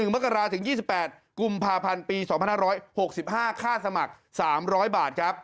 มกราศถึง๒๘กุมภาพันธ์ปี๒๕๖๕ค่าสมัคร๓๐๐บาทครับ